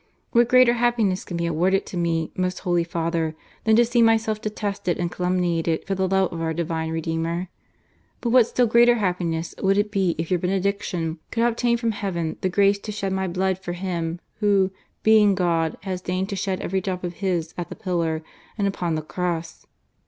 What greater happiness can be awarded to me, most Holy Father, than to see myself detested and calumniated for the love of our Divine Redeemer? But what still greater happiness would it be if your benediction could obtain from Heaven the grace to shed my blood for Him, Who, being God, has deigned to shed every drop of His at the pillar and upon the Cross